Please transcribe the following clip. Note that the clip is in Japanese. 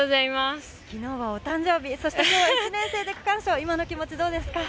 昨日は誕生日、そして今日は１年生で区間賞、今の気持ちどうですか？